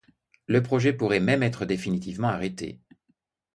Le projet pourrait même être définitivement arrêté.